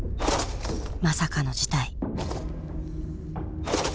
まさかの事態。